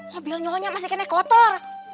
mobilnya masih kotor